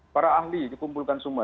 para ahli dikumpulkan semua